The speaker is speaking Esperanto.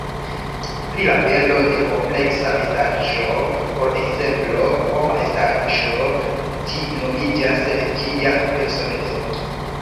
Pri la belo de kompleksa estaĵo, por ekzemplo homa estaĵo, ĝi nomiĝas ĝia personeco.